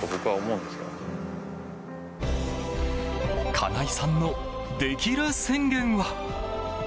金井さんのできる宣言は。